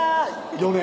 ４年？